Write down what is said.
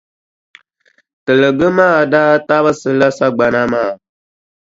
Tiligi maa daa tabisila sagbana maa.